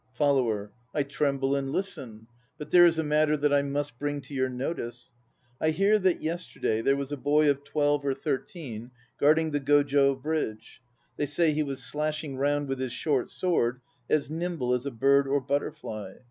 FOLLOWER. I tremble and listen. But there is a matter that I must bring to your notice. I hear that yesterday there was a boy of twelve or thirteen guarding the Gojo Bridge. They say he was slashing round with his short sword as nimble as a bird or butterfly.